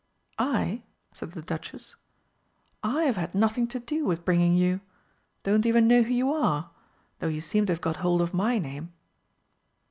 "I?" said the Duchess. "I've had nothing to do with bringing you. Don't even know who you are though you seem to have got hold of my name."